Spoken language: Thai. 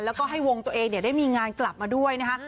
แล้วก็ให้วงตัวเองได้มีงานกลับมาด้วยนะคะ